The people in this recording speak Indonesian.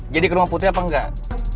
jadi ke rumah putri apa enggak